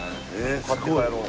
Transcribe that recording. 買って帰ろう。